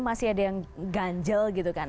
masih ada yang ganjel gitu kan